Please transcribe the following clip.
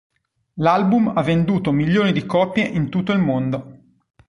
L'album ha venduto milioni di copie in tutto il mondo.